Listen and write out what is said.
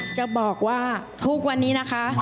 จะบอกว่าทุกวันนี้นะคะ